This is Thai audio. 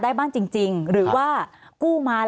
สวัสดีครับทุกคน